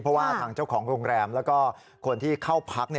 เพราะว่าทางเจ้าของโรงแรมแล้วก็คนที่เข้าพัก